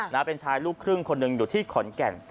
นะเป็นชายลูกครึ่งคนหนึ่งอยู่ที่ขอนแก่น